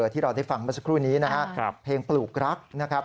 ที่เราได้ฟังเมื่อสักครู่นี้นะครับเพลงปลูกรักนะครับ